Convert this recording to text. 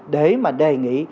để mà đề nghị